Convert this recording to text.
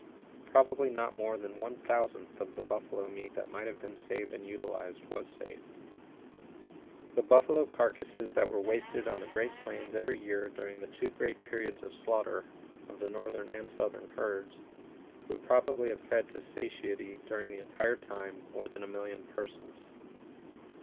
Probably not more than one one thousandth of the buffalo meat that might have been saved and utilized was saved. The buffalo carcasses that were wasted on the great plains every year during the two great periods of slaughter (of the northern and southern herds) would probably have fed to satiety during the entire time more than a million persons.